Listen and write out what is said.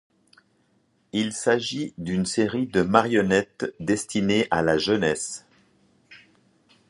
Il s'agit d'une série de marionnettes destinée à la jeunesse.